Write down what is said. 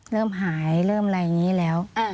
เริ่มหายเริ่มอะไรอย่างนี้แล้ว